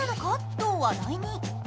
と話題に。